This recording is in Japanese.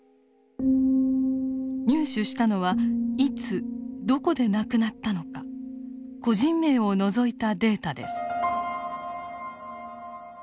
入手したのはいつどこで亡くなったのか個人名を除いたデータです。